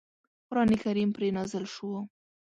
قرآن کریم پرې نازل شو.